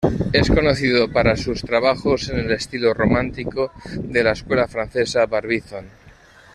Es conocido para sus trabajos en el estilo romántico de la escuela francesa Barbizon.